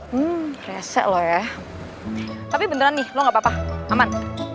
hmm rese lo ya tapi beneran nih lo gapapa aman